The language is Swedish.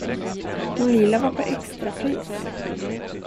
Dom lila var på extrapris!